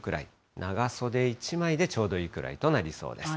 長袖１枚でちょうどいいくらいとなりそうです。